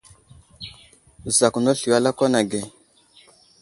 Zakw nesliyo a lakwan age.